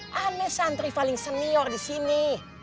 kan ini santri paling senior di sini